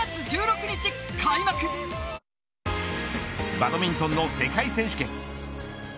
バドミントンの世界選手権。